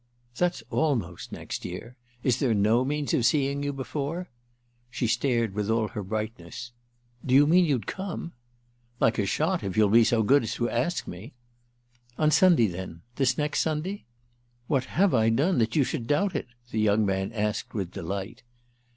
"That's almost next year. Is there no means of seeing you before?" She stared with all her brightness. "Do you mean you'd come?" "Like a shot, if you'll be so good as to ask me!" "On Sunday then—this next Sunday?" "What have I done that you should doubt it?" the young man asked with delight.